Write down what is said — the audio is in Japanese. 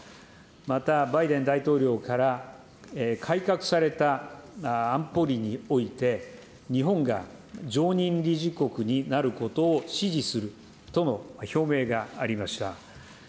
またバイデン大統領から改革された安保理において、日本が常任理事国になることを支持するとの表明がありました。